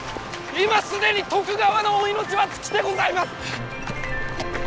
今既に徳川のお命は尽きてございます！